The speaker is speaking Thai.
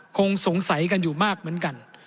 คงสงสัยกันอยู่มากเหมือนกัน